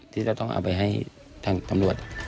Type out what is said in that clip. ที่เราต้องเอาไปให้ทางตำรวจ